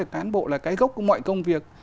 cán bộ là cái gốc của mọi công việc